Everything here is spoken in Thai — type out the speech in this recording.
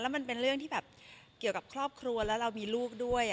มันเป็นเรื่องที่แบบเกี่ยวกับครอบครัวแล้วเรามีลูกด้วย